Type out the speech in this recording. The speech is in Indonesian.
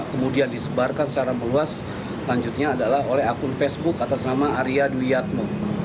kemudian disebarkan secara meluas lanjutnya adalah oleh akun facebook atas nama arya dwiatmo